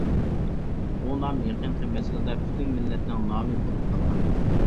بۇ نام يېقىنقى مەزگىلدە پۈتۈن مىللەتنىڭ نامى بولۇپ قالغان.